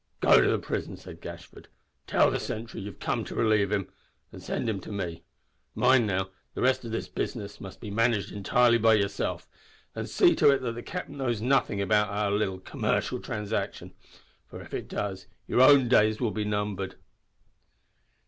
"Go to the prison," said Gashford, "tell the sentry you've come to relieve him, and send him to me. Mind, now, the rest of this business must be managed entirely by yourself, and see to it that the camp knows nothing about our little commercial transaction, for, if it does, your own days will be numbered."